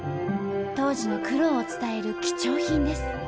当時の苦労を伝える貴重品です。